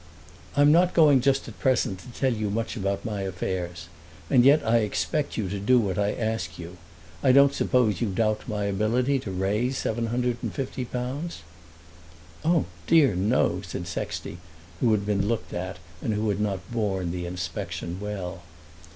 "I'm not going just at present to tell you much about my affairs, and yet I expect you to do what I ask you. I don't suppose you doubt my ability to raise £750." "Oh, dear, no," said Sexty, who had been looked at and who had not borne the inspection well.